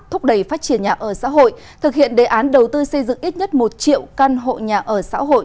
thúc đẩy phát triển nhà ở xã hội thực hiện đề án đầu tư xây dựng ít nhất một triệu căn hộ nhà ở xã hội